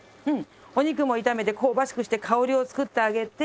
お肉も炒めて香ばしくして香りを作ってあげて。